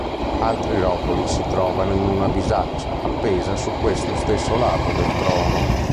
Altri rotoli si trovano in una bisaccia appesa su questo stesso lato del trono.